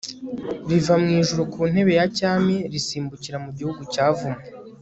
riva mu ijuru ku ntebe ya cyami risimbukira mu gihugu cyavumwe